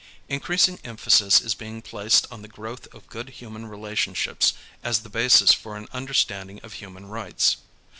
Increasing emphasis is being placed on the growth of good human relationships as the basis for an understanding of human rights.